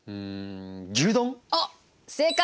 あっ正解！